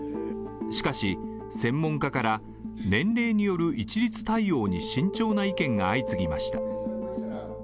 しかし専門家から、年齢による一律対応に慎重な意見が相次ぎました。